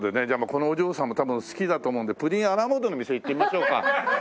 このお嬢さんも多分好きだと思うんでプリンアラモードの店行ってみましょうか。